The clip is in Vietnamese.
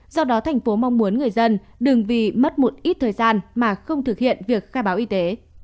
do đó thành phố mong muốn người dân đừng vì mất một ít thời gian mà không thực hiện việc khai báo y tế